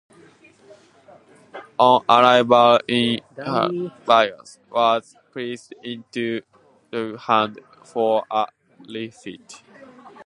On arrival in Halifax, "Victoria" was placed into dockyard hands for a refit.